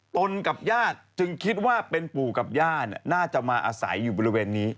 กับญาติจึงคิดว่าเป็นปู่กับย่าน่าจะมาอาศัยอยู่บริเวณนี้